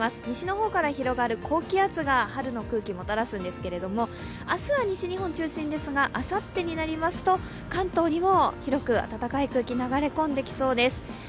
西の方から広がる高気圧が春の空気をもたらすんですけれども、明日は西日本を中心にですがあさってになりますと関東にも広く暖かい空気が流れ込んできそうです。